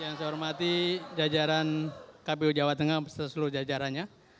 yang saya hormati jajaran kpu jawa tengah serta seluruh jajarannya